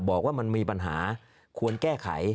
บอกว่ามันมีปัญหาควรแก้ไข